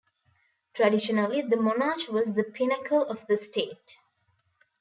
Traditionally, the monarch was the pinnacle of the state.